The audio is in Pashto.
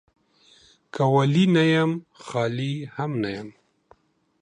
که ولي نه يم ، خالي هم نه يم.